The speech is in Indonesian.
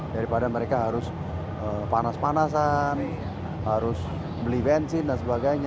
daripada mereka harus panas panasan harus beli bensin dan sebagainya